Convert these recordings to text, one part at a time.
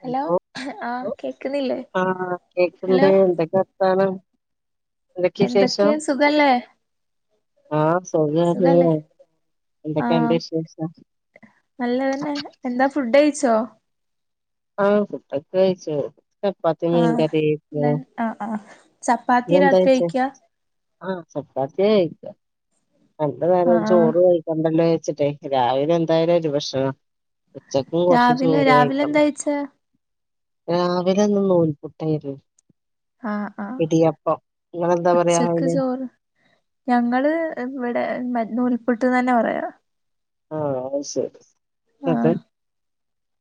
Hello ആഹ് കേക്കുന്നില്ലേ ആഹ് ഹലോ കേക്കണ്ട് എന്തൊക്കെയാ വർത്താനം? എന്തൊക്കെ എന്തൊക്കെയ സുഖല്ലേ? ആഹ് സുഖാണ് സുഖല്ലേ എന്തൊക്കെയുണ്ട് ആഹ് വിശേഷം? നല്ലതന്നെ എന്താ ഫുഡ് കഴിച്ചോ? ആഹ് ഫുഡോക്കെ കഴിച്ചു ചപ്പാത്തി ആഹ് മീൻകറി ന ആഹ് ആഹ് നീ ചപ്പാത്തി എന്താ രാത്രി കഴിച്ചേ? കഴിക്ക ആഹ് ചപ്പാത്തിയാ കഴിക്കാ രണ്ട് നേരം ആഹ് ആഹ് ചോറ് കഴിക്കണ്ടല്ലോ വെച്ചിട്ടേ രാവിലെ എന്തായാലും ഒരു ഭക്ഷണം ഉച്ചയ്ക്കും കുറച്ച് രാവിലെ ചോറ് രാവിലെ കഴിക്കണം എന്താ കഴിച്ചേ രാവിലെ ഇന്ന് നൂൽപുട്ടായിരുന്നു ആഹ് ആഹ് ഇടിയപ്പം. നിങ്ങെളെന്താ പറയാ ഉച്ചക്ക് അയിന്? ചോറ് ഞങ്ങള് ഇവടെ മ നൂൽപുട്ട് എന്നെന്നാ പറയാ. ആഹ് അയ് ശെരി. [unintelligible]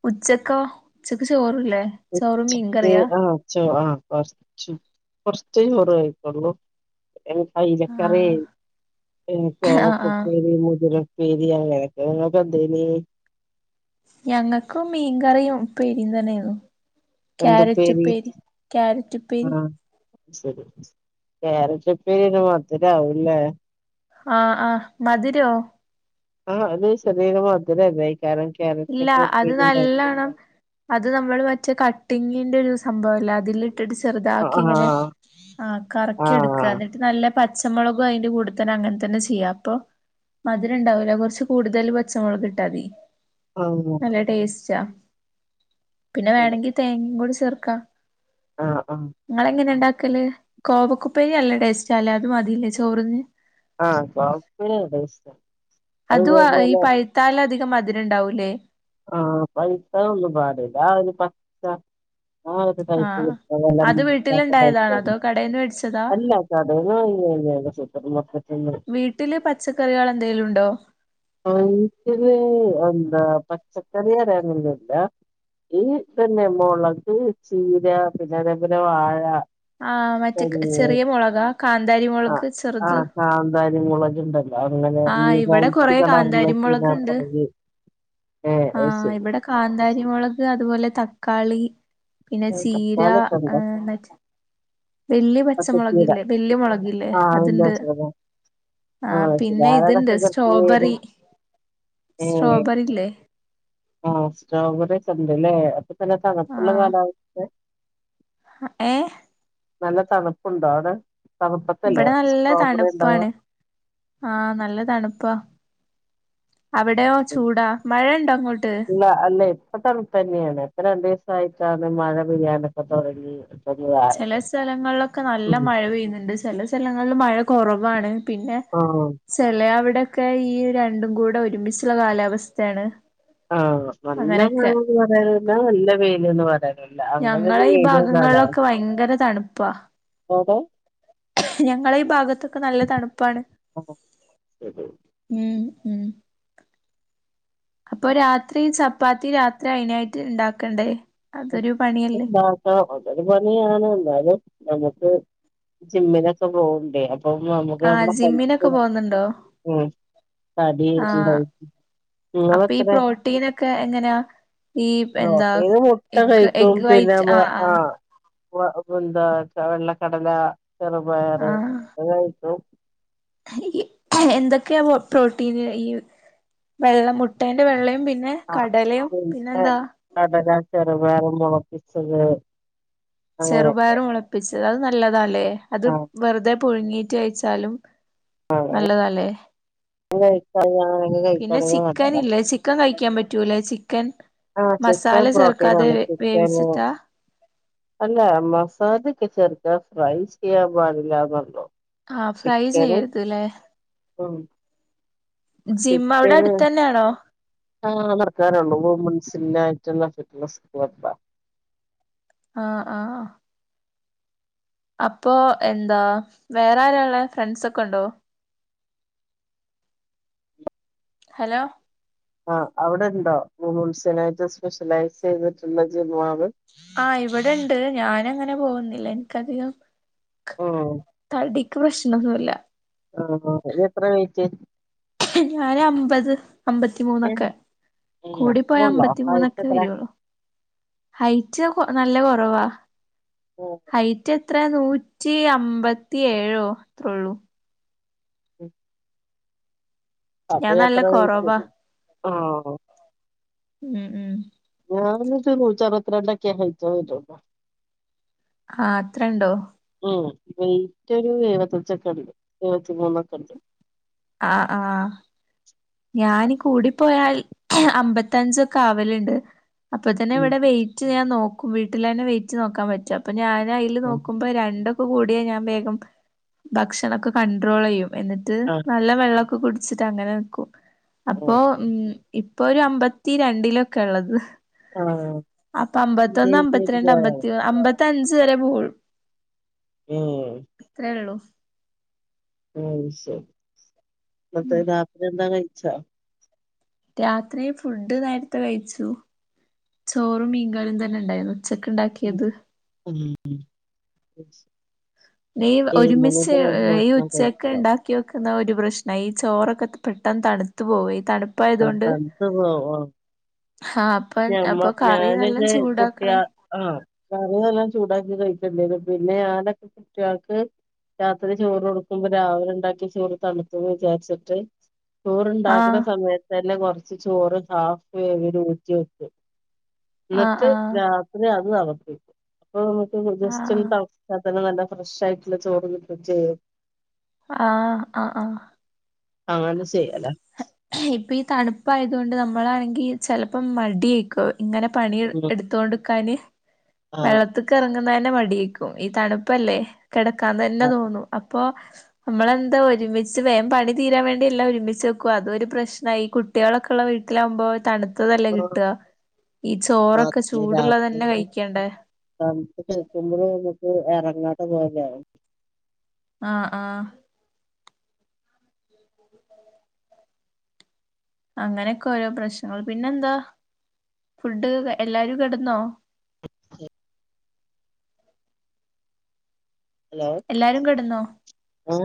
ഉച്ചക്കൊ? ഉച്ചക്ക് ചോറില്ലേ? ചോറും ഉച്ചക്ക് മീൻകറിയാ ആഹ് ചോ ആഹ് കൊറച്ച് കൊറെച്ചേ ചോറ് കഴിക്കൊള്ളൂ. ഏഹ് അയല കറിയേ ആഹ് പിന്നെ ആഹ് ആഹ് കോവെക്കുപ്പേരി മുതിര ഉപ്പേരി അങ്ങനൊക്കെ നോക്ക് എന്തേനി. ഞങ്ങക്കും മീൻ കറിയും ഉപ്പേരിം തന്നെയാർന്നു. ക്യാരെറ്റ് എന്തുപ്പേരി ഉപ്പേരി, ക്യാരെറ്റുപ്പേരി. ശെരി, ക്യാരെറ്റുപ്പേരി ഒരു മധുരമാവുലേ? ആഹ് ആഹ് മധുരോ? ആഹ് അത് ചെറിയൊരു മധുരവല്ലേ ഈ ക്യാര ഇല്ല അത് ക്യാരെറ്റെക്കെയുപ്പേരിയുണ്ടാക്കിയാൽ? നല്ലണം അത് നമ്മള് മറ്റേ കട്ടിങ്ങിന്റൊരു സംഭവില്ലേ, അതിലിട്ട് ഇട്ടിട്ട് ആഹ് ചെറുതാക്കിങ്ങനെ ആ കറെക്കിയെടുക്ക്. ക്കാ ആഹ് എന്നിട്ട് നല്ല പച്ചമൊളകും അതിന്റെ കൂടെത്തന്നെ അങ്ങനെ തന്നെ ചെയ്യാ അപ്പൊ മധുരം ഒണ്ടാവൂല കൊറെച്ച് കൂടുതല് പച്ചമൊളകിട്ടാതി. ആഹ് നല്ല ടേസ്റ്റാ പിന്നെ ശരി വേണെങ്കി തേങ്ങയും കൂടെ ചേർക്കാ. ആഹ് ആഹ് നിങ്ങള് എങ്ങനെ ഉണ്ടാക്കല്? കോവക്കുപ്പേരി നല്ല ടേസ്റ്റാല്ലേ. അത് മതില്ലേ ചോറിന്? ആഹ് കോവെക്കുപ്പേരി നല്ല ടേസ്റ്റാ. അത് ഈ പഴുത്താല് അധികം മധുരം ഒണ്ടാവൂല്ലേ? ആ പഴുത്തതോന്നും പാടില്ല ഒരു പച്ച ആ ഒരു ടൈപ്പില് ആഹ് ഉള്ളത് എല്ലാം അത് ഇപ്പൊ കിട്ടാത്ത വീട്ടിലുണ്ടായതാണോ ടൈപ്പാ, അതോ കടേന്ന് മേടിച്ചതാ അല്ല കടേന്ന് വാങ്ങിയതല്ല, മാർക്കെറ്റീന്ന്. വീട്ടില് പച്ചക്കറികൾ എന്തെലും ഉണ്ടോ? ഓൻതില് എന്താ പച്ചക്കറി അരിയൊന്നുല്ല. ഈ പിന്നെ മൊളക്, ചീര പിന്നെ അതേപോലെ വാഴ. ആഹ് മറ്റേ തെങ്ങ് ചെറിയ മൊളകാ. കാന്താരി ആ മൊളക് ആ ചെറുത്. കാന്താരി മൊളകിണ്ടെല്ലോ. അങ്ങനെ ഈ ആഹ് ഇവിടെ കൊറെ വൈറ്റ് കാന്താരിമുളക് കളറിലെക്കെയിതാക്കണത്. ആ ഇവടെ കാന്താരിമൊളക്, അതുപോലെ തക്കാളി. പിന്നെ ആ, ചീര തക്കാളിയൊക്കെ ഉണ്ടോ ആഹ് മറ്റേ വല്യ പച്ചച്ചീര പച്ചമൊളകില്ലേ, വല്യ മൊളകില്ലേ ആ വലിയ അതിന്റെ അസുഖം ആ ആഹ്, ശരി പിന്നെ ഇതിണ്ട്. ആരാതൊക്കെ കൃഷി ചെയ്യുന്നു സ്ട്രോബെറി. സ്ട്രോബെറില്ലേ. ആഹ് സ്ട്രോബെറിക്കെയൊണ്ടല്ലേ. അപ്പൊ തന്നെ തണുപ്പൊള്ള ആഹ് കാലവ ഏഹ്? നല്ല തണുപ്പുണ്ടോ അവെടെ? തണുപ്പത്തല്ലേ ഇവിടെ നല്ല സ്ട്രോബെറി ഉണ്ടാവാ? തണുപ്പാണ് ആഹ്, നല്ല തണുപ്പാ. അവെടെയോ ചൂടാ. മഴയൊണ്ടോ അങ്ങോട്ട്? അല്ലയ്, ഇപ്പ തണുപ്പെന്നെയാണ്. ഇപ്പ രണ്ടുവ്സായിട്ടാണ് മഴ പെയ്യാനെക്കെ തൊടങ്ങി. ചെല സ്ഥലങ്ങളിലൊക്കെ നല്ല മഴ പെയ്യുന്നുണ്ട്. ചെല സ്ഥലങ്ങളിൽ മഴ കൊറവാണ്. പിന്നെ. ആഹ്! ചെല അവെടെക്കെ ഈ രണ്ടും കൂടെ ഒരുമിച്ചുള്ള കാലാവസ്ഥയാണ്. ആഹ് നല്ല അങ്ങനെയൊക്കെ മഴെന്ന് പറയണ്ട. നല്ല വെയിൽന്ന് പറേ. ഞങ്ങളെ ഈ ഭാഗങ്ങളിലൊക്കെ ഭയങ്കര തണുപ്പാ. എവ്ടെ? ഞങ്ങെളെ ഈ ഭാഗത്തൊക്കെ നല്ല തണുപ്പാണ്. ആഹ് ശരി ഉം ഉം. അപ്പൊ രാത്രി ചപ്പാത്തി. രാ ത്രി അയിനായിട്ട് ഇണ്ടാക്കണ്ടേ? ഉം അതൊരു പണിയല്ലേ ഉണ്ടാ ആഹ് അതൊരു പണിയാണ്. എന്നാലും. നമ്മുക്ക് ജിമ്മിനൊക്കെ പോകണ്ടേ. അതാവുമ്പോ നമുക്ക് ആഹ് നമ്മടെ ജിമ്മിനൊക്കെ ഹെൽത്തും പോകുന്നുണ്ടോ ഉം തടി ആഹ് [inaudible] അപ്പൊ ഈ നിങ്ങളെത്ര പ്രോട്ടീനൊക്കെ എങ്ങനെ? ഈ എന്താ ട്ട എഗ് കഴിക്കും. എഗ് വൈറ്റ് പിന്നമ്മള് ആഹ് വ് പ്പൊ എന്താ വെള്ളക്കടല ചെറുപയർ ഒക്കെ കഴിക്കും. ഈ എന്തൊക്കെയാ പ്രോട്ടീന്. ഈ വെള്ള മുട്ടേന്റെ വെള്ളയും പിന്നെ ആ കടലേം പിന്നെ പിന്നെന്താ കടല, ചെറുപയർ മൊളപ്പിച്ചത്. ചെറുപയർ മുളപ്പിച്ചത് അത് നല്ലതാല്ലേ. അത് ആ വെറുതെ പുഴുങ്ങീറ്റ് കഴിച്ചാലും നല്ലതല്ലേ. കഴിക്കാണെങ്കിൽ അങ്ങനെയൊക്കെ പിന്നെ കഴിക്കാണെങ്കിൽ നല്ലതാ ചിക്കനില്ലേ ചി ക്കൻ കഴിക്കാൻ പറ്റൂല്ലേ ചിക്കൻ. ആ ചിക്കൻ മസാല പ്രോട്ടീൻ ചേർക്കാതെ ആണ് ചിക്കന് വേവിച്ചിട്ടാ. അല്ല മസാലൊക്കെ ചേർക്കാ. ഫ്രൈ ചെയ്യാൻ പാടില്ലാന്നൊള്ളു. ആഹ് ഫ്രൈ ചെയ്യരുത് ല്ലേ. ഉം ജിം അവടെ അടുത്തന്നെണോ? ആഹ് നടക്കാനള്ളൂ. വുമൻസിന്റായിട്ടുള്ള ഫിറ്റ്നസ് ക്യാബ്ബാ. ആഹ്! ആഹ്! അപ്പൊ എന്താ വേറാരാള്ളെ. ഫ്രണ്ട്സൊക്കെണ്ടോ? ഹലോ ആഹ് അവിടെണ്ടോ? വുമൺസിനായിട്ട് സ്പെഷ്യലൈസിതിട്ടുള്ള ജിമാള്. ആഹ് ഇവിടെണ്ട്. ഞാനങ്ങനെ പോകുന്നില്ല. എനിക്കധികം ഓഹ് ഇക്ക് പ്രശ്നൊന്നുല്ല. ആഹ് ആഹ് ഇയ്യെത്ര വൈറ്റ്? ഞാനമ്പത്, ഏഹ് അമ്പത്തിമൂന്നൊക്കെ. ഏഹ് കൂടി പോയ അത്രേയുള്ളോ ഹൈറ്റ് അമ്പത്തിമൂന്നൊക്കെ എത്ര വരൊള്ളു. ഹൈറ്റ് നല്ല കൊറവാ. ഉം ഹൈറ്റ് എത്ര നൂറ്റി അമ്പത്തിയേഴോ അത്രള്ളു. ഉം അപ്പൊ ഞാൻ നല്ല ഇയ്യത്ര വെയിറ്റ് കൊറവാ മതി. ആഹ് ഉം ഉം ഞാനാനൂച്ചാ നൂറ്ററുവത്രണ്ടക്കെ ഹെയിറ്റോ വരൊള്ളു ആഹ് അത്രണ്ടോ ഉം വെയിറ്റ് ഒരു എഴുവത്തഞ്ചൊക്കെണ്ട് എഴുവത്തി മൂന്നൊക്കെണ്ട് ആഹ് ആഹ് ഞാന് കൂടി പോയാൽ അമ്പത്തഞ്ചക്കാവലുണ്ട് അപ്പൊ തന്നെ ഉം ഇവിടെ വെയിറ്റ് ഞാൻ നോക്കും വീട്ടിലെന്നെ വെയിറ്റ് നോക്കാൻ പറ്റും അപ്പൊ ഞാൻ അയില് ആഹ് നോക്കുമ്പോ രണ്ടും പ്പ് കൂടിയ ഞാൻ വേഗം ഭക്ഷണൊക്കെ കണ്ട്രോളിയ്യും എന്നിട്ട് ആഹ് നല്ല വെള്ളൊക്കെ കുടിച്ചിട്ടങ്ങനെ നിക്കും അപ്പോ ഉം ഇപ്പൊ ഒരു അമ്പത്തി രണ്ടിലൊക്കെള്ളത് ആഹ് ആഹ് അപ്പൊ അമ്പത്തൊന്ന് മെയിന്റെയിൻ ചെയ്ത് അമ്പത്തിരണ്ട് പോയാണ് അമ്പത്തി അമ്പത്തി അഞ്ച് വരെ പോകൊള്ളു. ഉം ത്രേള്ളൂ അയ്ശരി ന്നട്ട് രാത്രി എന്താ കഴിച്ചോ രാത്രി ഫുഡ് നേരത്തെ കഴിച്ചു. ചോറും മീങ്കറിം തന്നെ ഉണ്ടായിരുന്നു ഉച്ചക്കുണ്ടാ ഉം ഉം നീ ഏഴ് മണിയൊക്കെ ഒരുമിച്ച് ആവുമ്പോ ഈ ഭക്ഷണം ഉച്ചക്ക് കഴിക്കണം ഉണ്ടാ ക്കി വെക്കുന്ന ഒരു പ്രശ്നം ഈ ചോറൊക്കെ പെട്ടന്ന് തണുത്ത് പോവേയ് തണു ആഹ് തണത്ത് പോവോ ആ അപ്പ നമ്മ അപ്പൊ കറി നല്ല ഞാനിന്റെ കുട്ടിയേ ചൂടാക്കണേ ആഹ് കറിതെല്ലാം ചൂടാക്കി കഴിക്കണ്ടേന്നു പിന്നെ ഞാനൊക്കെ കുട്ടേൾക്ക് രാത്രി ചോറ് കൊടുക്കുമ്പോ രാവിലെ ഉണ്ടാക്കി ചോറ് തണുക്കും വിചാരിച്ചിട്ട് ചോറ്ണ്ടാക്കുന്ന ആഹ് സമയത്തന്നെ കൊറച്ച് ചോറ് ഹാഫ് വേവ് ല് ഊറ്റി വെക്കും. ആഹ് എന്നിട്ട് ആഹ് രാത്രി അത് തളപ്പിക്കും അപ്പൊ നമുക്ക് ജസ്റ്റ് ആഹ് ഒന്ന് തള ന്നാതന്നെ നല്ല ഫ്രഷ് ആയിട്ടുള്ള ചോറ് കിട്ടും ചെയ്യും ആഹ് ആഹ് ആഹ് ആഹ്അതങ്ങനെ ചെയ്യല. ഇപ്പ ഈ തണുപ്പയത് കൊണ്ട് നമ്മളാണെങ്കി ചെലപ്പോം മടിയേ ക്കൊ ഇങ്ങനെ പണി ഉം എടുത്തോണ്ട് നി ക്കാന് ആഹ് വെള്ളത്തിക്ക് ഇറങ്ങുന്ന തന്നെ മടിയേക്കും ഈ തണുപ്പല്ലേ കിടക്കാന്ന് തന്നെ തോന്നും അപ്പൊ നമ്മളെന്താ ഒരുമിച്ച് വേഗം പണി തീരാൻ വേണ്ടി ഒരുമിച്ച് വെക്കും അത് രു പ്രശ്ന ആയി. കുട്ടികളൊക്കെ ഉള്ള വീട്ടിലകുമ്പോ തണു അത്തതല്ലേ അപ്പൊ കിട്ടുക. ഈ ചോറൊക്കെ ചൂടുള്ളത് തന്നെ കഴിക്കേണ്ട തമത്ത് കേൾക്കുമ്പോൾ നമുക്ക് ഇറങ്ങാട്ട പോലെയായി ആഹ് ആഹ് അങ്ങനെയൊക്കെ ഓരോ പ്രശ്നങ്ങൾ പിന്നെന്താ ഫുഡ് എല്ലാരും കിടന്നോ [unintelligible] ഹലോ എല്ലാരും കെടന്നോ ആ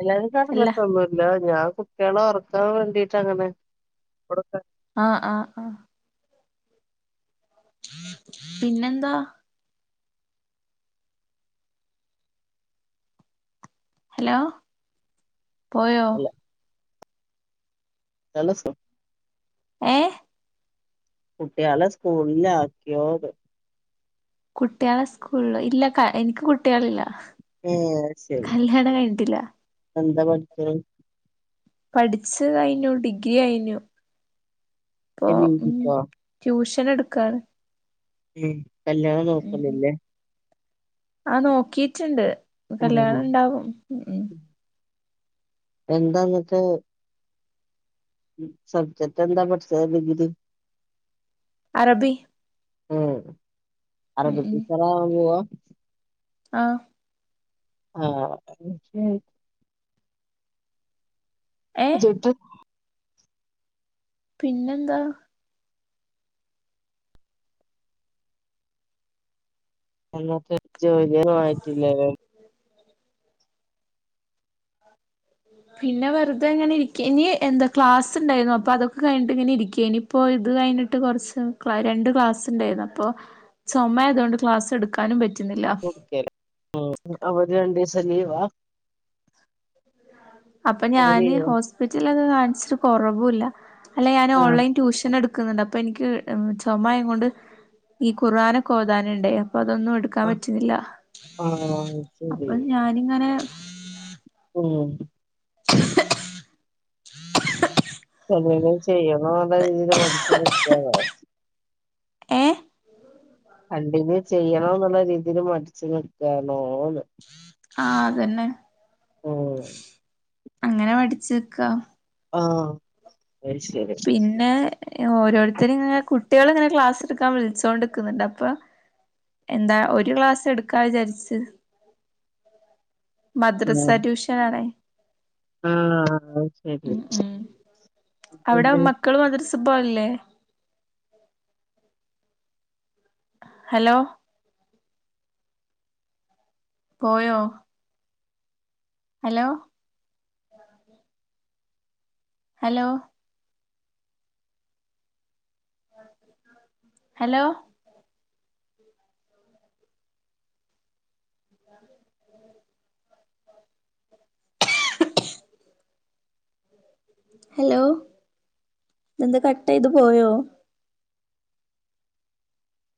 എല്ലാരും അല്ല കടന്നട്ടൊന്നുമില്ല ഞാൻ കുട്ടികളെ ഉറക്കാൻ വേണ്ടിട്ട് അങ്ങനെ ഇവിടെ കിടക്ക ആഹ് ആഹ് ആഹ് പിന്നെന്താ ഹലോ പോയോ അല്ല ജെലസം ഏഹ് കുട്ടിയാളെ സ്കൂളിൽ ആക്കിയോന്ന്? കുട്ടിയാളെ സ്കൂളില്ലോ ഇല്ല എനിക്ക് കുട്ടിയാളില്ല. ഏ ശരി കല്ല്യാണം കഴിഞ്ഞിട്ടില്ല. എന്താ പട്ക്ക്ണ്. പഠിച്ച് കഴിഞ്ഞു ഡിഗ്രി അയിഞ്ഞു. ഇപ്പൊ ഇനി പി ഉം ജിക്കോ ട്യൂഷൻ എടുക്കാണ്. ഉം കല്യാണം ഉം ഉം നോക്ക്ണില്ലേ. ആ നോക്കീറ്റ്ണ്ട് ആ കല്യാണം ഉണ്ടാവും. എന്താന്ന്ട്ട്. ഉം സബ്ജറ്റ് എന്താ പട്ച്ച്ണ് ഡിഗ്രി. അറബി. ഏഹ് ഉം അറബി ടീച്ചറാവാൻ പോവാ ആഹ് ആഹ് [unintelligible] ഏ [unintelligible] പിന്നെന്താ. എന്നിട്ട് ജോലിയൊന്നും ആയിട്ടില്ലലേ. [inaudible] പിന്നെ വെർതെ ഇങ്ങനെ ഇരിക്ക ഇനി എന്താ ക്ലാസ്ണ്ടായിരുന്നു. അപ്പൊ അതൊക്കെ കഴിഞ്ഞിട്ട് ഇങ്ങനെ ഇരിക്കേനീ. ഇപ്പോ ഇത് കഴിഞ്ഞിട്ട് കൊർച്ച് രണ്ട് ക്ലാസ് ഉണ്ടായിരുന്നു. അപ്പോ ചുമായതുകൊണ്ട് ക്ലാസ് എടു ക്കാനും പറ്റുന്നില്ല. ഉം അവര് രണ്ടീസം ലീവാ. അപ്പൊ അവ ഞാന് ലീവാ ഹോസ്പിറ്റൽലൊക്കെ കാണിച്ച്ട്ട് കൊറവുല്ല. അയ്ല്ല് ഞാന് ആ ഓൺലൈൻ ട്യൂഷൻ എടു കുന്നുണ്ട് അപ്പൊ എനിക്ക് ചൊമയോണ്ട് ഈ കുർആനൊക്കെ ഓതനുണ്ടേ അപ്പൊ അതൊന്നും എടു ക്കാൻ ആ പറ്റ്‌ണ്ല്ല ആ അപ്പൊ ശരി ഞാനിങ്ങനെ. ഏഹ് ക്കങ്ങനെ ചെയ്യണോ അതോ [unintelligible] മടിച്ച് നിക്കാവോ ഏ കണ്ടിന്യൂ ചെയ്യണോ എന്നുള്ള രീതിയിൽ മടിച്ച് നിക്കാണോന്ന് ആഹ് അതന്നെ ഓഹ് അങ്ങനെ മടിച്ച്ക്ക ആഹ് അത് ശെരി പിന്നെ ഓരോരുത്തര് ഇങ്ങനെ കുട്ടിയാള് ഇങ്ങനെ ക്ലാസ് എടുക്കാൻ വിളിച്ചോണ്ടിക്കുന്നുണ്ട് അപ്പൊ എന്താ ഒരു ക്ലാസ് എടുക്കാ വിചാരിച്ച് ആഹ് മദ്രസ ട്യൂഷന് ആണേ ആഹ് ശെരി ഉം അവിടെ പിന്നെ മക്കള് മദ്രസ്സ് പോവല് ല്ലേ ഹലോ പോയോ ഹലോ ഹലോ ഹലോ അഹ് ഹലോ ഇതെന്ത കട്ടയ്ത് പോയോ.